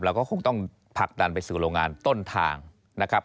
เราก็คงต้องผลักดันไปสู่โรงงานต้นทางนะครับ